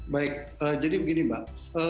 baik jadi begini mbak